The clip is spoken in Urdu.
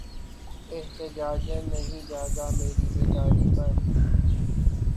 احتجاجاً نہیں جاگا مری بیداری پر